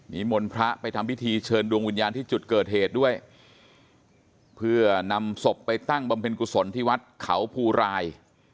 มนต์พระไปทำพิธีเชิญดวงวิญญาณที่จุดเกิดเหตุด้วยเพื่อนำศพไปตั้งบำเพ็ญกุศลที่วัดเขาภูราย